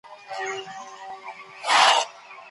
ژوند په حقيقت کي که مهم وای .